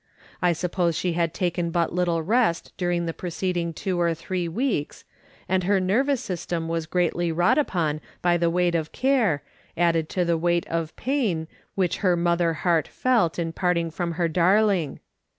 I suppose she had taken but little rest during the preceding two or three weeks, and her nervous system was greatly wrought upon by the weight of care, added to the weight of pain which her mother heart felt in parting from her darling.